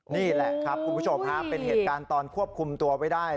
นี่แหละครับคุณผู้ชมฮะเป็นเหตุการณ์ตอนควบคุมตัวไว้ได้